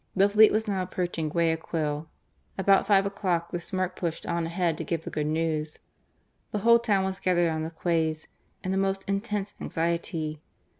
The fleet was now approaching Guayaquil. About five o'clock the Smyrk pushed on ahead to give the good news. The whole town was gathered on the quays in the most intense anxiety.